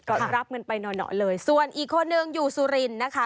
ก็รับเงินไปหน่อหอเลยส่วนอีกคนนึงอยู่สุรินทร์นะคะ